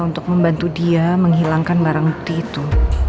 untuk membantu dia menghilangkan barang bukti itu